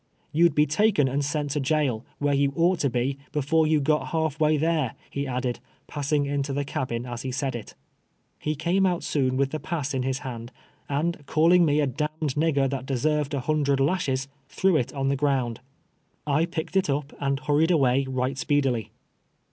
" You'd be taken and sent to jail, where you ought to be, before you got half way tliere,'' he added, pass ing into the cabin as he said it. He came out soon, with the pass in his hand, and calling me a " d — d nig ger tliat deserved a hundred lashes," threvv^ it on the ground. I picked it up, and hurried away right speedily.